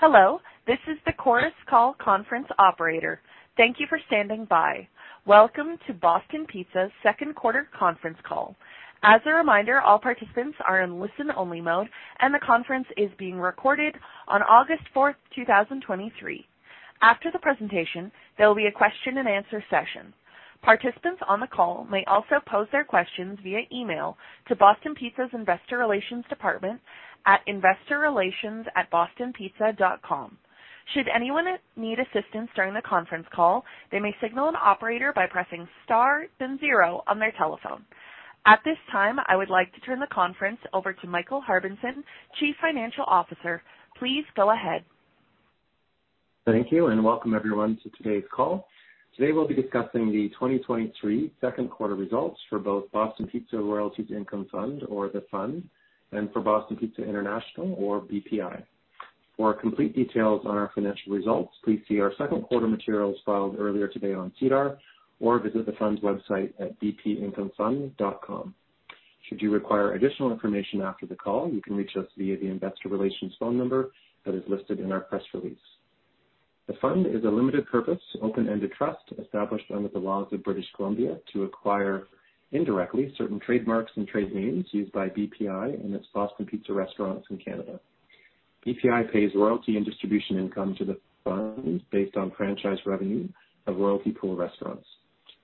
Hello, this is the Chorus Call Conference Operator. Thank you for standing by. Welcome to Boston Pizza's second quarter conference call. As a reminder, all participants are in listen-only mode, and the conference is being recorded on August 4th, 2023. After the presentation, there will be a question-and-answer session. Participants on the call may also pose their questions via email to Boston Pizza's Investor Relations Department at investorrelations@bostonpizza.com. Should anyone need assistance during the conference call, they may signal an operator by pressing Star, then zero on their telephone. At this time, I would like to turn the conference over to Michael Harbinson, Chief Financial Officer. Please go ahead. Thank you. Welcome everyone to today's call. Today, we'll be discussing the 2023 second quarter results for both Boston Pizza Royalties Income Fund, or the Fund, and for Boston Pizza International, or BPI. For complete details on our financial results, please see our second quarter materials filed earlier today on SEDAR or visit the Fund's website at bpincomefund.com. Should you require additional information after the call, you can reach us via the investor relations phone number that is listed in our press release. The Fund is a limited purpose, open-ended trust established under the laws of British Columbia to acquire indirectly certain trademarks and trade names used by BPI and its Boston Pizza restaurants in Canada. BPI pays royalty and distribution income to the Fund based on franchise revenue of royalty pool restaurants.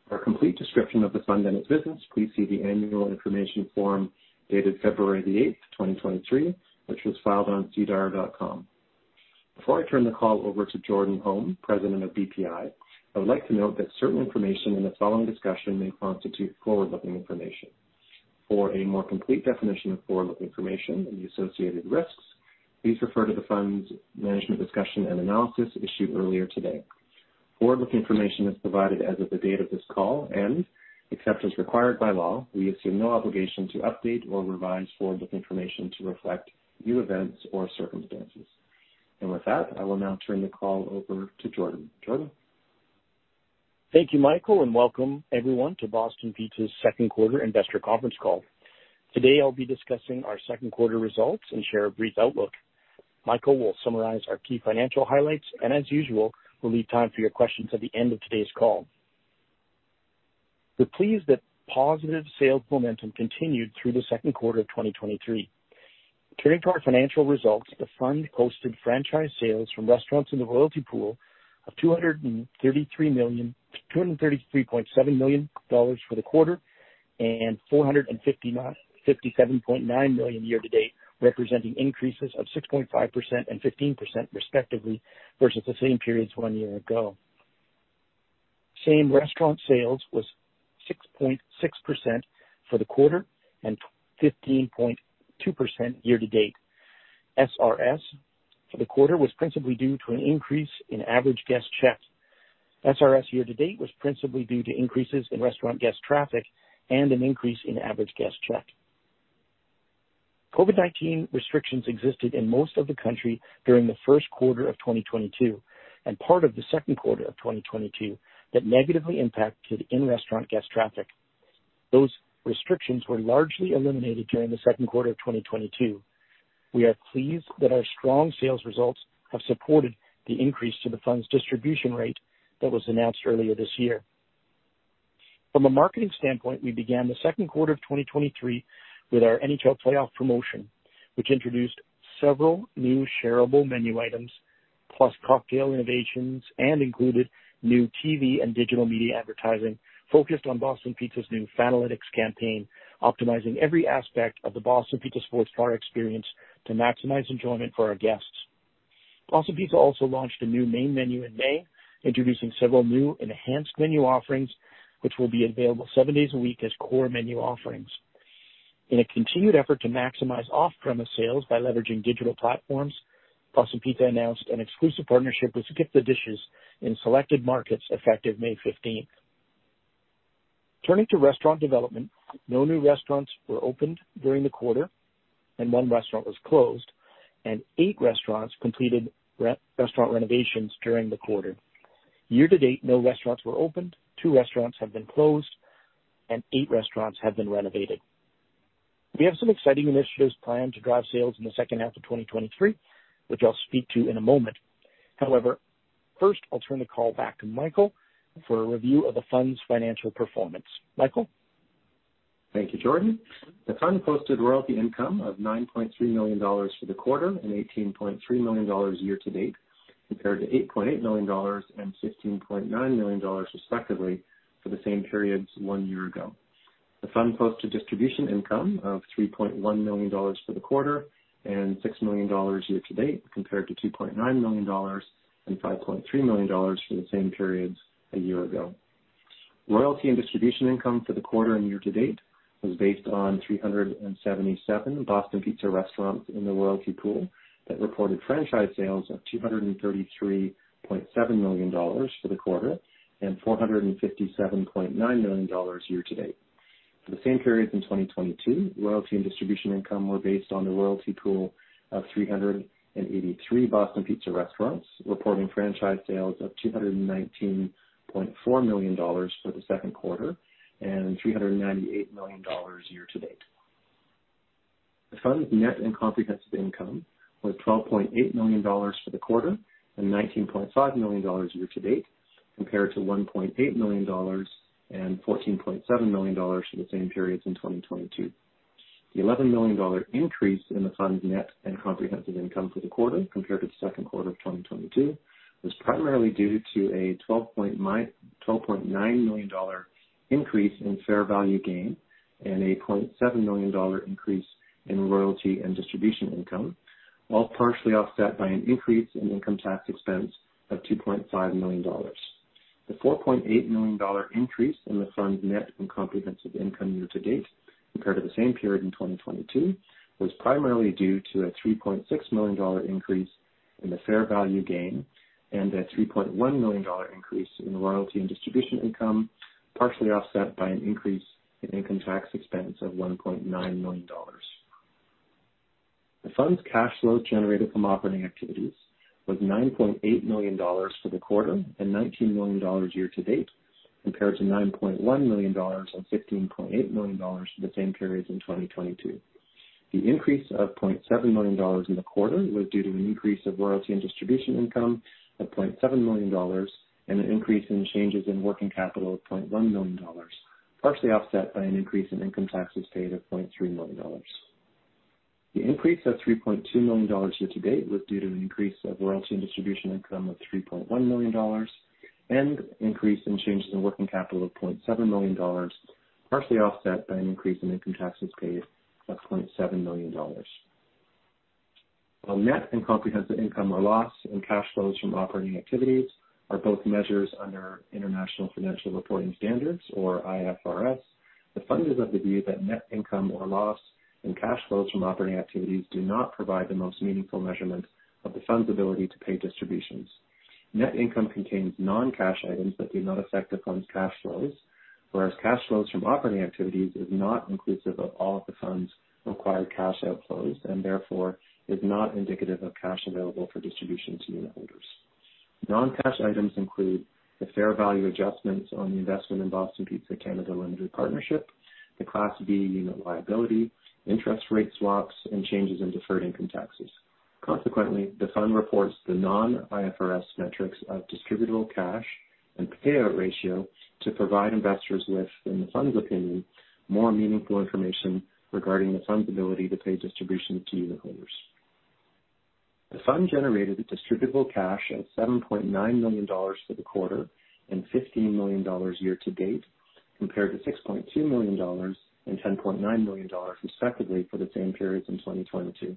For a complete description of the Fund and its business, please see the annual information form dated February the 8th, 2023, which was filed on sedar.com. Before I turn the call over to Jordan Holm, President of BPI, I would like to note that certain information in the following discussion may constitute forward-looking information. For a more complete definition of forward-looking information and the associated risks, please refer to the Fund's management discussion and analysis issued earlier today. Forward-looking information is provided as of the date of this call, except as required by law, we assume no obligation to update or revise forward-looking information to reflect new events or circumstances. With that, I will now turn the call over to Jordan. Jordan? Thank you, Michael, welcome everyone to Boston Pizza's second quarter investor conference call. Today, I'll be discussing our second quarter results and share a brief outlook. Michael will summarize our key financial highlights, and as usual, we'll leave time for your questions at the end of today's call. We're pleased that positive sales momentum continued through the second quarter of 2023. Turning to our financial results, the Fund posted franchise sales from restaurants in the royalty pool of 233.7 million dollars for the quarter and 457.9 million year to date, representing increases of 6.5% and 15% respectively, versus the same periods one year ago. Same restaurant sales was 6.6% for the quarter and 15.2% year to date. SRS for the quarter was principally due to an increase in average guest check. SRS year to date was principally due to increases in restaurant guest traffic and an increase in average guest check. COVID-19 restrictions existed in most of the country during the first quarter of 2022 and part of the second quarter of 2022 that negatively impacted in-restaurant guest traffic. Those restrictions were largely eliminated during the second quarter of 2022. We are pleased that our strong sales results have supported the increase to the Fund's distribution rate that was announced earlier this year. From a marketing standpoint, we began the second quarter of 2023 with our NHL playoff promotion, which introduced several new shareable menu items, plus cocktail innovations, and included new TV and digital media advertising focused on Boston Pizza's new Fanalytics campaign, optimizing every aspect of the Boston Pizza sports bar experience to maximize enjoyment for our guests. Boston Pizza also launched a new main menu in May, introducing several new enhanced menu offerings, which will be available 7 days a week as core menu offerings. In a continued effort to maximize off-premise sales by leveraging digital platforms, Boston Pizza announced an exclusive partnership with SkipTheDishes in selected markets, effective May 15th. Turning to restaurant development, no new restaurants were opened during the quarter. 1 restaurant was closed. 8 restaurants completed restaurant renovations during the quarter. Year to date, no restaurants were opened, 2 restaurants have been closed, and 8 restaurants have been renovated. We have some exciting initiatives planned to drive sales in the second half of 2023, which I'll speak to in a moment. However, first, I'll turn the call back to Michael for a review of the Fund's financial performance. Michael? Thank you, Jordan. The Fund posted royalty income of $9.3 million for the quarter and $18.3 million year to date, compared to $8.8 million and $16.9 million, respectively, for the same periods one year ago. The Fund posted distribution income of $3.1 million for the quarter and $6 million year to date, compared to $2.9 million and $5.3 million for the same periods a year ago. Royalty and distribution income for the quarter and year to date was based on 377 Boston Pizza restaurants in the royalty pool that reported franchise sales of $233.7 million for the quarter and $457.9 million year to date. For the same periods in 2022, royalty and distribution income were based on the royalty pool of 383 Boston Pizza restaurants, reporting franchise sales of 219.4 million dollars for the second quarter and 398 million dollars year to date. The Fund's net comprehensive income was 12.8 million dollars for the quarter and 19.5 million dollars year to date, compared to 1.8 million dollars and 14.7 million dollars for the same periods in 2022. The 11 million dollar increase in the Fund's net and comprehensive income for the quarter compared to the second quarter of 2022, was primarily due to a 12.9 million dollar increase in fair value gain and a 0.7 million dollar increase in royalty and distribution income, all partially offset by an increase in income tax expense of 2.5 million dollars. The 4.8 million dollar increase in the Fund's net and comprehensive income year to date compared to the same period in 2022, was primarily due to a 3.6 million dollar increase in the fair value gain and a 3.1 million dollar increase in royalty and distribution income, partially offset by an increase in income tax expense of 1.9 million dollars. The Fund's cash flow generated from operating activities was CAD 9.8 million for the quarter and CAD 19 million year to date, compared to CAD 9.1 million and CAD 15.8 million for the same periods in 2022. The increase of CAD 0.7 million in the quarter was due to an increase of royalty and distribution income of CAD 0.7 million, and an increase in changes in working capital of CAD 0.1 million, partially offset by an increase in income taxes paid of CAD 0.3 million. The increase of 3.2 million dollars year to date was due to an increase of royalty and distribution income of 3.1 million dollars and increase in changes in working capital of 0.7 million dollars, partially offset by an increase in income taxes paid of 0.7 million dollars. While net and comprehensive income or loss and cash flows from operating activities are both measures under International Financial Reporting Standards, or IFRS, the fund is of the view that net income or loss and cash flows from operating activities do not provide the most meaningful measurement of the fund's ability to pay distributions. Net income contains non-cash items that do not affect the fund's cash flows, whereas cash flows from operating activities is not inclusive of all of the fund's required cash outflows and therefore is not indicative of cash available for distribution to unitholders. Non-cash items include the fair value adjustments on the investment in Boston Pizza Canada Limited Partnership, the Class B Unit liability, interest rate swaps, and changes in deferred income taxes. Consequently, the Fund reports the non-IFRS metrics of Distributable Cash and payout ratio to provide investors with, in the Fund's opinion, more meaningful information regarding the Fund's ability to pay distributions to unitholders. The Fund generated Distributable Cash of $7.9 million for the quarter and $15 million year to date, compared to $6.2 million and $10.9 million, respectively, for the same periods in 2022.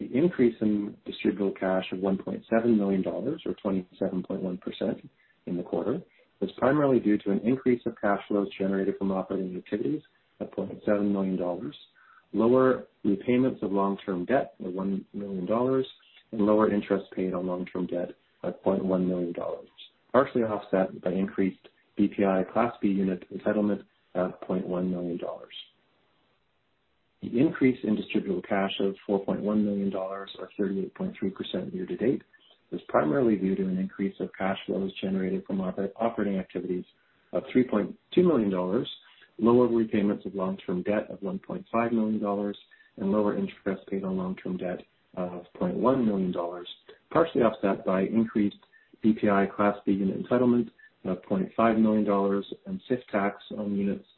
The increase in Distributable Cash of $1.7 million, or 27.1% in the quarter, was primarily due to an increase of cash flows generated from operating activities of $0.7 million, lower repayments of long-term debt of $1 million, and lower interest paid on long-term debt of $0.1 million, partially offset by increased BPI Class B Unit entitlement of $0.1 million. The increase in Distributable Cash of $4.1 million, or 38.3% year to date, was primarily due to an increase of cash flows generated from operating activities of $3.2 million, lower repayments of long-term debt of $1.5 million, and lower interest paid on long-term debt of $0.1 million, partially offset by increased BPI Class B Unit entitlement of $0.5 million and SIFT Tax on Units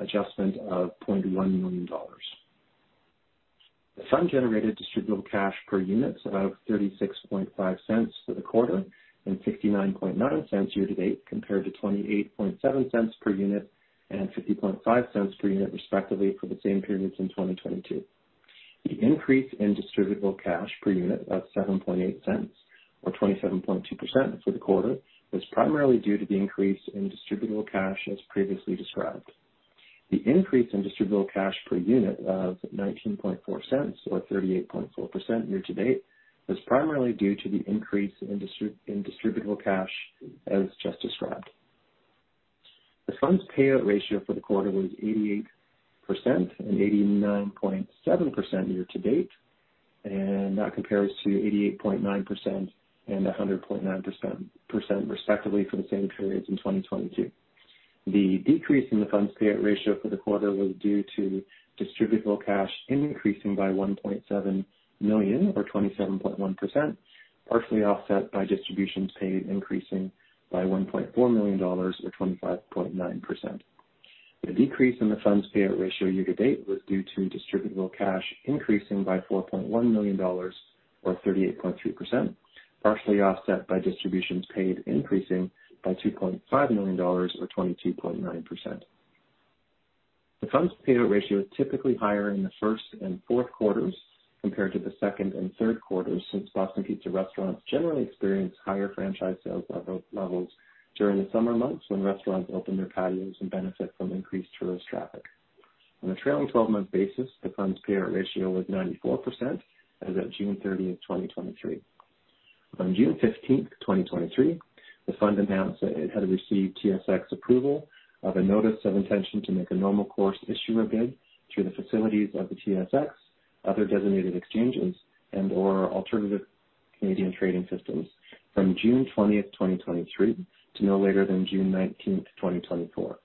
adjustment of $0.1 million. The Fund generated Distributable Cash per unit of $0.365 for the quarter and $0.699 year to date, compared to $0.287 per unit and $0.505 per unit, respectively, for the same periods in 2022. The increase in Distributable Cash per unit of 0.078, or 27.2% for the quarter, was primarily due to the increase in Distributable Cash as previously described. The increase in Distributable Cash per unit of 0.194, or 38.4% year to date, was primarily due to the increase in Distributable Cash as just described. The Fund's payout ratio for the quarter was 88% and 89.7% year to date. That compares to 88.9% and 100.9% respectively for the same periods in 2022. The decrease in the Fund's payout ratio for the quarter was due to Distributable Cash increasing by 1.7 million, or 27.1%, partially offset by distributions paid increasing by 1.4 million dollars or 25.9%. The decrease in the Fund's payout ratio year-to-date was due to Distributable Cash increasing by 4.1 million dollars, or 38.3%, partially offset by distributions paid increasing by 2.5 million dollars, or 22.9%. The Fund's payout ratio is typically higher in the first and fourth quarters compared to the second and third quarters, since Boston Pizza restaurants generally experience higher franchise sales levels during the summer months when restaurants open their patios and benefit from increased tourist traffic. On a trailing 12-month basis, the Fund's payout ratio was 94% as at June 30th, 2023. On June 15th, 2023, the Fund announced that it had received TSX approval of a notice of intention to make a normal course issuer bid through the facilities of the TSX, other designated exchanges, and/or alternative-... Canadian trading systems from June 20th, 2023, to no later than June 19th, 2024.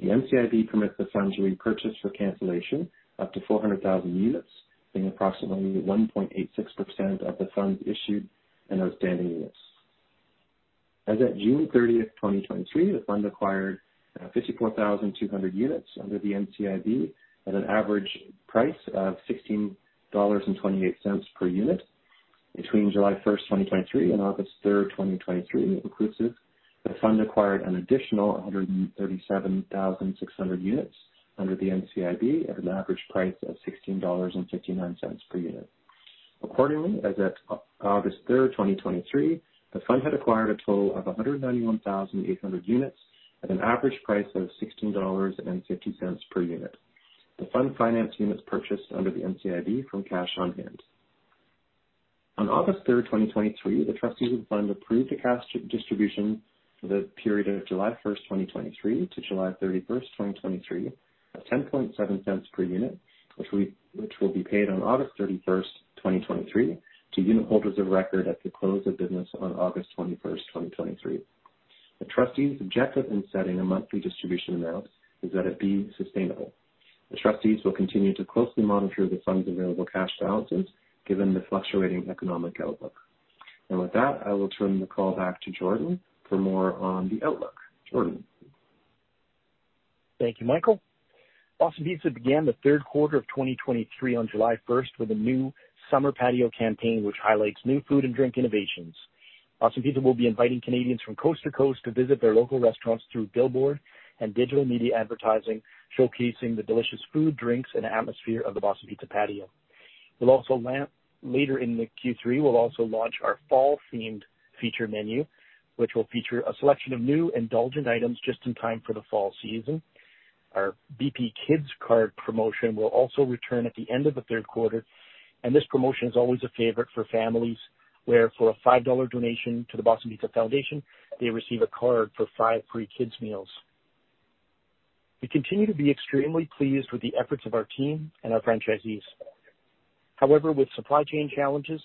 The NCIB permits the fund to repurchase for cancellation up to 400,000 units, being approximately 1.86% of the fund's issued and outstanding units. As of June 30th, 2023, the fund acquired 54,200 units under the NCIB at an average price of 16.28 dollars per unit. Between July 1st, 2023, and August 3rd, 2023, inclusive, the fund acquired an additional 137,600 units under the NCIB at an average price of 16.59 dollars per unit. Accordingly, as of August 3rd, 2023, the fund had acquired a total of 191,800 units at an average price of 16.50 dollars per unit. The Fund financed units purchased under the NCIB from cash on hand. On August 3rd, 2023, the trustees of the Fund approved a cash distribution for the period of July 1st, 2023, to July 31st, 2023, of 0.107 per unit, which will be paid on August 31st, 2023, to unitholders of record at the close of business on August 21st, 2023. The trustees' objective in setting a monthly distribution amount is that it be sustainable. The trustees will continue to closely monitor the Fund's available cash balances given the fluctuating economic outlook. With that, I will turn the call back to Jordan for more on the outlook. Jordan? Thank you, Michael. Boston Pizza began the third quarter of 2023 on July 1st with a new summer patio campaign, which highlights new food and drink innovations. Boston Pizza will be inviting Canadians from coast to coast to visit their local restaurants through billboard and digital media advertising, showcasing the delicious food, drinks, and atmosphere of the Boston Pizza patio. Later in the Q3, we'll also launch our fall-themed feature menu, which will feature a selection of new indulgent items just in time for the fall season. Our BP Kids Card promotion will also return at the end of the third quarter. This promotion is always a favorite for families, where for a 5 dollar donation to the Boston Pizza Foundation, they receive a card for 5 free kids meals. We continue to be extremely pleased with the efforts of our team and our franchisees. However, with supply chain challenges,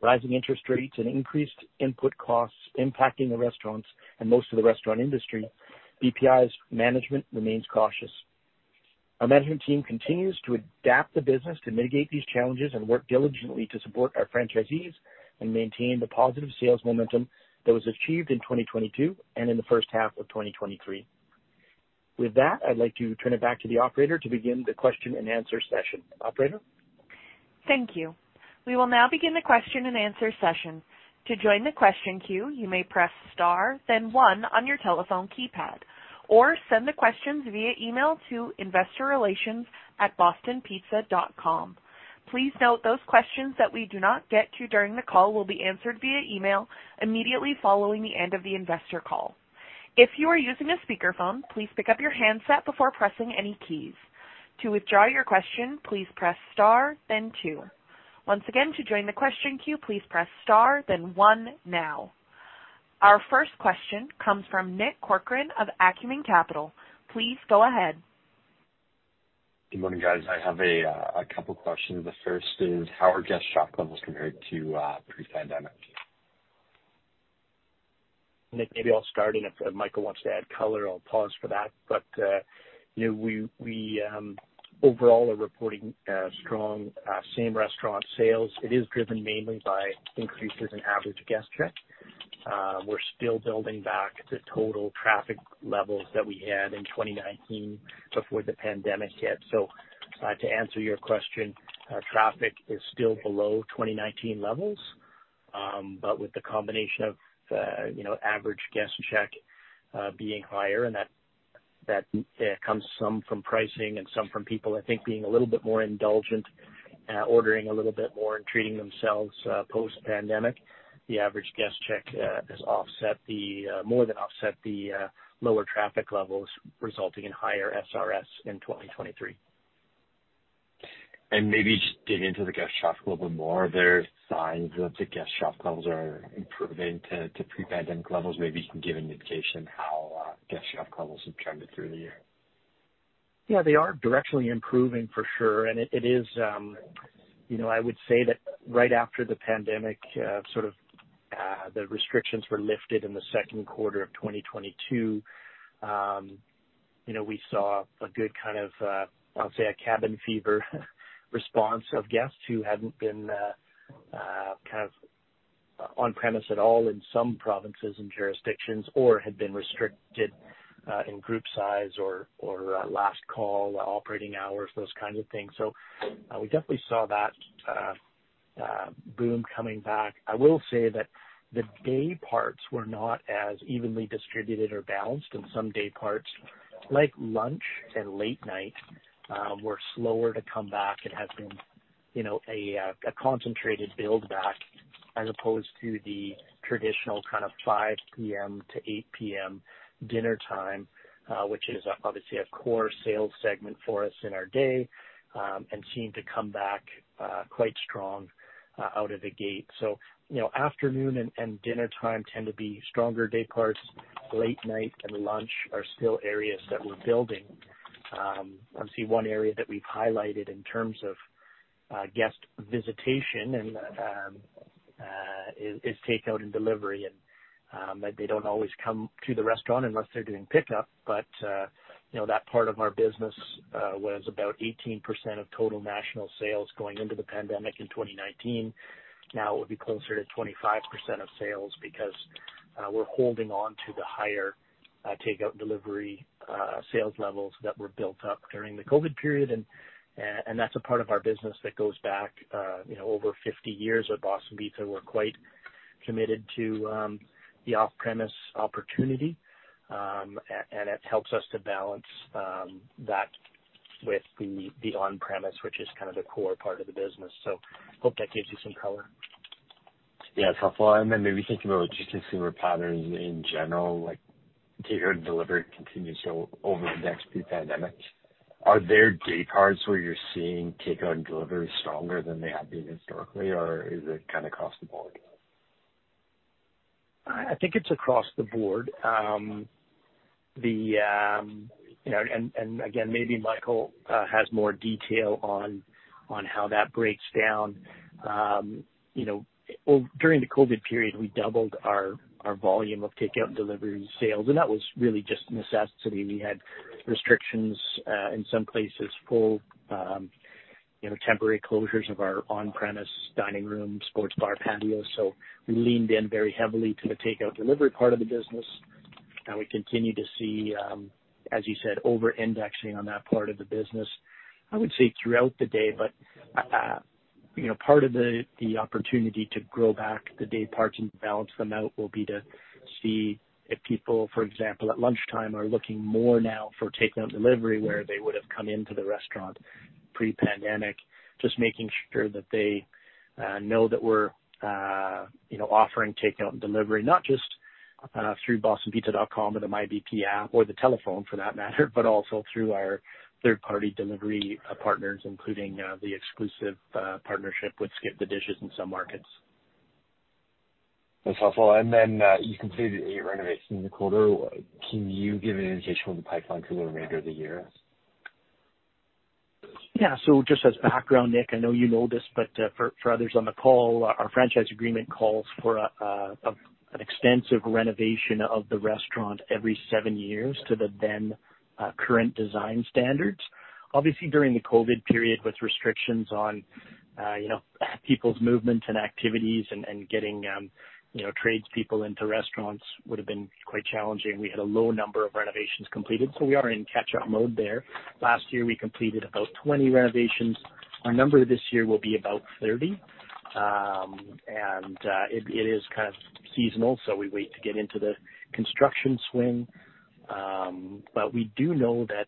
rising interest rates, and increased input costs impacting the restaurants and most of the restaurant industry, BPI's management remains cautious. Our management team continues to adapt the business to mitigate these challenges and work diligently to support our franchisees and maintain the positive sales momentum that was achieved in 2022 and in the first half of 2023. With that, I'd like to turn it back to the operator to begin the question and answer session. Operator? Thank you. We will now begin the question and answer session. To join the question queue, you may press star then one on your telephone keypad, or send the questions via email to investorrelations@bostonpizza.com. Please note, those questions that we do not get to during the call will be answered via email immediately following the end of the investor call. If you are using a speakerphone, please pick up your handset before pressing any keys. To withdraw your question, please press star then two. Once again, to join the question queue, please press star then one now. Our first question comes from Nick Corcoran of Acumen Capital. Please go ahead. Good morning, guys. I have a couple questions. The first is, how are guest shop levels compared to pre-pandemic? Nick, maybe I'll start, and if Michael wants to add color, I'll pause for that. You know, we, we overall are reporting strong same restaurant sales. It is driven mainly by increases in average guest check. We're still building back to total traffic levels that we had in 2019 before the pandemic hit. To answer your question, our traffic is still below 2019 levels. With the combination of, you know, average guest check being higher, and that, that comes some from pricing and some from people, I think, being a little bit more indulgent, ordering a little bit more and treating themselves post-pandemic. The average guest check has offset the more than offset the lower traffic levels, resulting in higher SRS in 2023. Maybe just dig into the guest shop a little bit more. Are there signs that the guest shop levels are improving to, to pre-pandemic levels? Maybe you can give an indication how guest shop levels have trended through the year. Yeah, they are directionally improving for sure. It, it is, you know, I would say that right after the pandemic, sort of, the restrictions were lifted in the second quarter of 2022, you know, we saw a good kind of, I'll say, a cabin fever response of guests who hadn't been, kind of on premise at all in some provinces and jurisdictions, or had been restricted, in group size or, or, last call, operating hours, those kinds of things. We definitely saw that, boom coming back. I will say that the day parts were not as evenly distributed or balanced. Some day parts, like lunch and late night, were slower to come back. It has been, you know, a concentrated build back as opposed to the traditional kind of 5:00 P.M. to 8:00 P.M. dinner time, which is obviously a core sales segment for us in our day, and seemed to come back quite strong out of the gate. You know, afternoon and dinner time tend to be stronger day parts. Late night and lunch are still areas that we're building. Obviously, one area that we've highlighted in terms of guest visitation and is takeout and delivery, they don't always come to the restaurant unless they're doing pickup. You know, that part of our business was about 18% of total national sales going into the pandemic in 2019. Now it would be closer to 25% of sales because we're holding on to the higher takeout delivery sales levels that were built up during the COVID period. That's a part of our business that goes back, you know, over 50 years at Boston Pizza. We're quite committed to the off-premise opportunity, and it helps us to balance that with the on-premise, which is kind of the core part of the business. Hope that gives you some color. Yeah, it's helpful. Then maybe thinking about just consumer patterns in general, like, takeout and delivery continues to overindex pre-pandemic. Are there day parts where you're seeing takeout and delivery stronger than they have been historically, or is it kind of across the board? I, I think it's across the board. The, you know, and, and again, maybe Michael has more detail on, on how that breaks down. You know, oh, during the COVID period, we doubled our, our volume of takeout and delivery sales, and that was really just a necessity. We had restrictions, in some places, full, you know, temporary closures of our on-premise dining room, sports bar, patios. We leaned in very heavily to the takeout delivery part of the business, and we continue to see, as you said, overindexing on that part of the business. I would say, throughout the day, but, you know, part of the, the opportunity to grow back the day parts and balance them out will be to see if people, for example, at lunchtime, are looking more now for takeout and delivery, where they would've come into the restaurant pre-pandemic. Just making sure that they, know that we're, you know, offering takeout and delivery, not just, through bostonpizza.com or the MyBP app or the telephone, for that matter, but also through our third-party delivery, partners, including, the exclusive, partnership with SkipTheDishes in some markets. That's helpful. Then, you completed eight renovations in the quarter. Can you give an indication of the pipeline for the remainder of the year? Just as background, Nick, I know you know this, for, for others on the call, our franchise agreement calls for an extensive renovation of the restaurant every 7 years to the then current design standards. Obviously, during the COVID period, with restrictions on, you know, people's movements and activities and, and getting, you know, tradespeople into restaurants would have been quite challenging. We had a low number of renovations completed, so we are in catch-up mode there. Last year, we completed about 20 renovations. Our number this year will be about 30. It, it is kind of seasonal, so we wait to get into the construction swing. We do know that,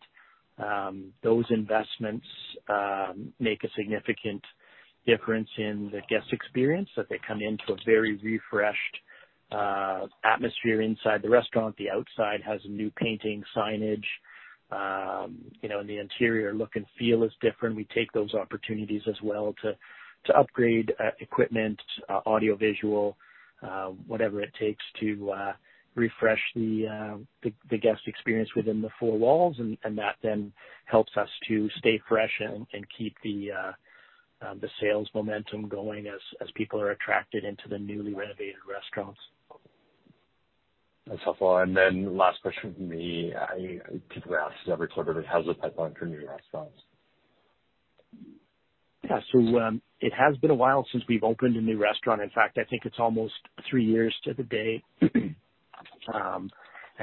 those investments, make a significant difference in the guest experience, that they come into a very refreshed, atmosphere inside the restaurant. The outside has a new painting, signage, you know, and the interior look and feel is different. We take those opportunities as well to upgrade equipment, audio/visual, whatever it takes to refresh the guest experience within the four walls. That then helps us to stay fresh and keep the sales momentum going as people are attracted into the newly renovated restaurants. That's helpful. Then last question from me. I typically ask this every quarter, but how's the pipeline for new restaurants? Yeah. It has been a while since we've opened a new restaurant. In fact, I think it's almost 3 years to the day.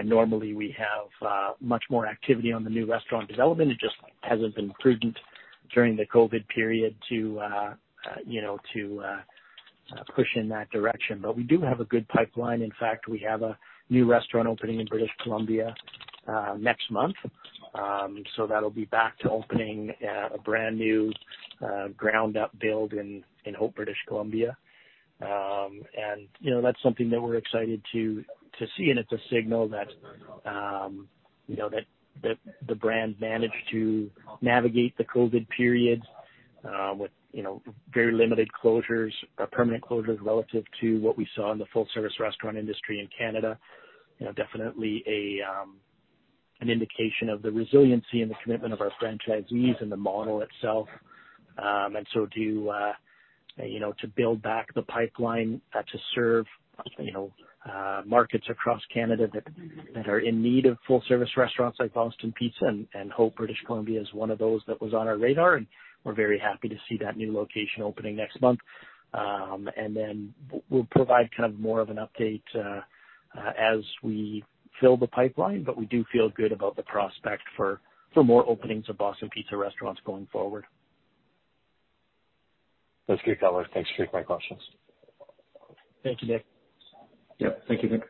Normally we have much more activity on the new restaurant development. It just hasn't been prudent during the COVID period to, you know, to push in that direction. We do have a good pipeline. In fact, we have a new restaurant opening in British Columbia next month. That'll be back to opening a brand-new, ground-up build in, in Hope, British Columbia. You know, that's something that we're excited to, to see, and it's a signal that, you know, that the brand managed to navigate the COVID period, with, you know, very limited closures, permanent closures, relative to what we saw in the full-service restaurant industry in Canada. You know, definitely a, an indication of the resiliency and the commitment of our franchisees and the model itself. So to, you know, to build back the pipeline, to serve, you know, markets across Canada that, that are in need of full-service restaurants like Boston Pizza, and, Hope, British Columbia, is one of those that was on our radar, and we're very happy to see that new location opening next month. We'll provide kind of more of an update as we fill the pipeline, but we do feel good about the prospect for, for more openings of Boston Pizza restaurants going forward. That's great, guys. Thanks for taking my questions. Thank you, Nick. Yep. Thank you, Nick.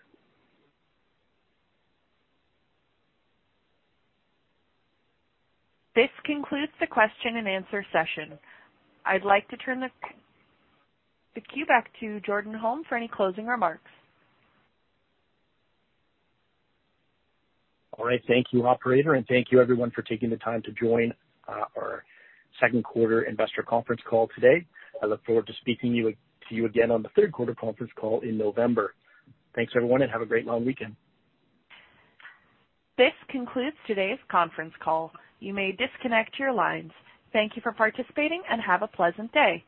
This concludes the question and answer session. I'd like to turn the queue back to Jordan Holm for any closing remarks. All right. Thank you, operator, and thank you everyone for taking the time to join, our second quarter investor conference call today. I look forward to speaking to you again on the third quarter conference call in November. Thanks, everyone. Have a great long weekend. This concludes today's conference call. You may disconnect your lines. Thank you for participating, and have a pleasant day.